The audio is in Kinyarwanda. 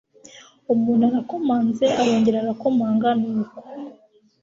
umuntu arakomanze arongera arakomanga nuko